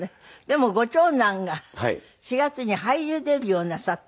でもご長男が４月に俳優デビューをなさった。